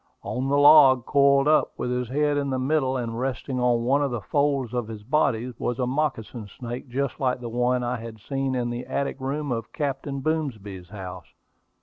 On the log, coiled up, with his head in the middle and resting on one of the folds of his body, was a moccasin snake just like the one I had seen in the attic room of Captain Boomsby's house.